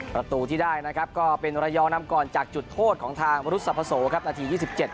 ประตูที่ได้นะครับก็เป็นระยองนำก่อนจากจุดโทษของทางมรุษสรรพโสครับนาที๒๗